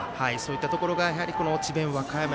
そういったところが智弁